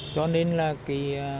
cho nên là cái